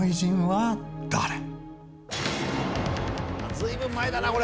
随分前だなこれ。